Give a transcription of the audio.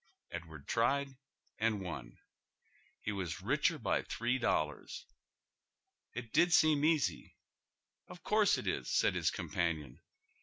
Edward tried and won. He was richer by three dollars ! It did seem easy, ' Of course it is,' said his companion.